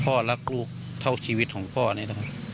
พ่อรักลูกเท่าชีวิตของพ่อนี้